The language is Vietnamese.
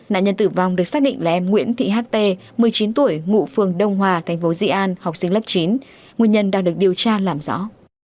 nạn nhân tử vong được xác định là em nguyễn thị ht một mươi chín tuổi ngụ phường đông hòa thành phố dị an học sinh lớp chín nguyên nhân đang được điều tra làm rõ